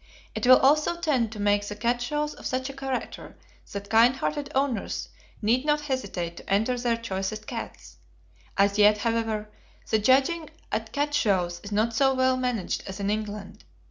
It will also tend to make the cat shows of such a character that kind hearted owners need not hesitate to enter their choicest cats. As yet, however, the judging at cat shows is not so well managed as in England.